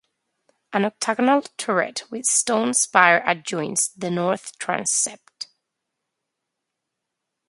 An octagonal turret with stone spire adjoins the north transept.